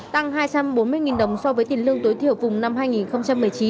tăng hai trăm bốn mươi đồng so với tiền lương tối thiểu vùng năm hai nghìn một mươi chín